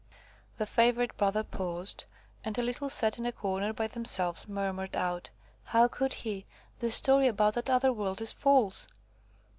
The favourite brother paused, and a little set in a corner by themselves murmured out, "How could he? The story about that other world is false."